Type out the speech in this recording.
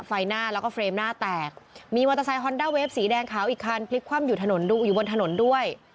ไฟหน้าแล้วก็เฟรมหน้าแตกมีมอเตอร์ไซคอนด้าเวฟสีแดงขาวอีกคันพลิกคว่ำอยู่ถนนอยู่บนถนนด้วย